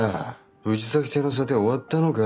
藤崎邸の査定終わったのか？